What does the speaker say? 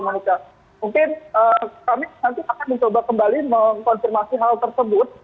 mungkin kami nanti akan mencoba kembali mengkonfirmasi hal tersebut